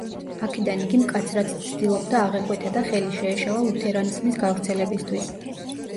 აქედან იგი მკაცრად ცდილობდა აღეკვეთა და ხელი შეეშალა ლუთერანიზმის გავრცელებისთვის.